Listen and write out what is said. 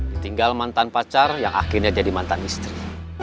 ditinggal mantan pacar yang akhirnya jadi mantan istri